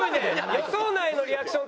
予想内のリアクション。